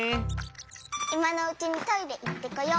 いまのうちにトイレいってこよっと！